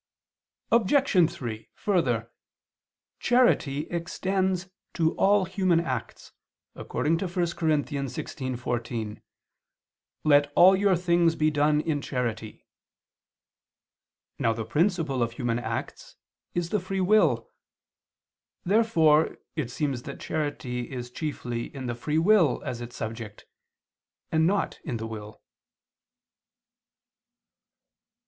Obj. 3: Further, charity extends to all human acts, according to 1 Cor. 16:14: "Let all your things be done in charity." Now the principle of human acts is the free will. Therefore it seems that charity is chiefly in the free will as its subject and not in the will.